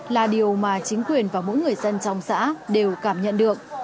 là điều mà chính quyền và mỗi người dân trong xã đều cảm nhận được